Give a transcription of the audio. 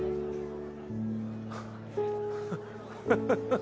ハハハハ。